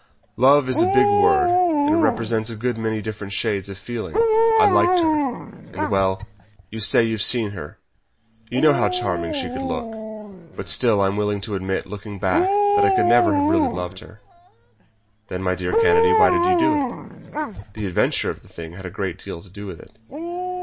"Love is a big word, and it represents a good many different shades of feeling. I liked her, and well, you say you've seen her you know how charming she could look. But still I am willing to admit, looking back, that I could never have really loved her." "Then, my dear Kennedy, why did you do it?" "The adventure of the thing had a great deal to do with it."